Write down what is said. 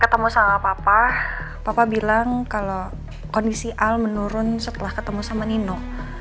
ketemu sama papa bapak bilang kalau kondisi al menurun setelah ketemu sama nino